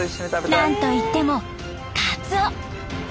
なんといってもカツオ。